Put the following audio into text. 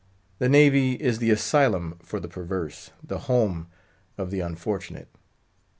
The Navy is the asylum for the perverse, the home of the unfortunate.